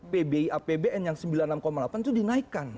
pbi apbn yang sembilan puluh enam delapan itu dinaikkan